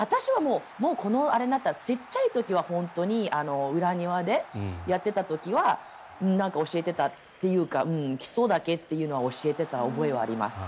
ちっちゃい時は裏庭でやっていた時は教えてたというか基礎だけというのは教えてた覚えはあります。